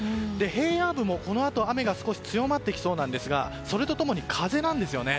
平野部も、このあと雨が少し強まってきそうですがそれと共に風なんですよね。